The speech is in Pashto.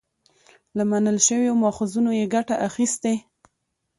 له منل شويو ماخذونو يې ګټه اخستې